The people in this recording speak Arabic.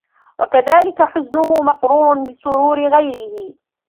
وَكَذَلِكَ حُزْنُهُ مَقْرُونٌ بِسُرُورِ غَيْرِهِ